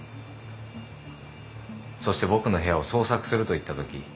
そして僕の部屋を捜索すると言ったとき。